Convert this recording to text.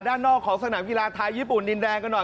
ด้านนอกของสนามกีฬาไทยญี่ปุ่นดินแดงกันหน่อย